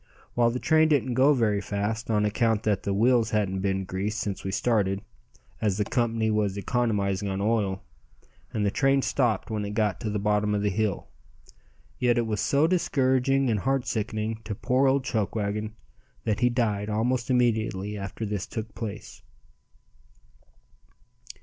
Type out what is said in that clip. While the train didn't go very fast on account that the wheels hadn't been greased since we started, as the company was economizing on oil, and the train stopped when it got to the bottom of the hill, yet it was so discouraging and heart sickening to poor old Chuckwagon that he died almost immediately after this took place.